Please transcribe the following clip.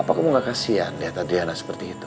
apa kamu nggak kasihan lihat adriana seperti itu